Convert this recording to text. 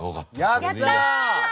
やった！